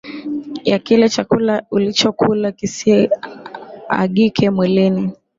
ya kile chakula ulichokula kisiagike mwilini